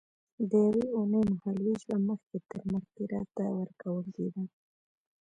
د یوې اوونۍ مهال وېش به مخکې تر مخکې راته ورکول کېده.